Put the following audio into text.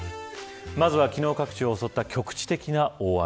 まずは昨日各地を襲った局地的な大雨。